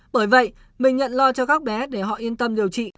bởi vậy mình nhận lo cho các bé để họ yên tâm điều trị